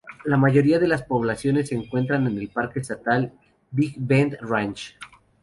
La mayoría de las poblaciones se encuentran en Parque Estatal Big Bend Ranch.